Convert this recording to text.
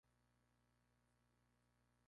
D'Ambrosio por adopción es milanese.